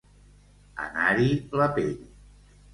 Anar-l'hi la pell.